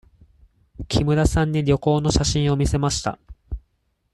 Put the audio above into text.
木村さんに旅行の写真を見せました。